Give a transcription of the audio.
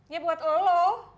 ya buat lo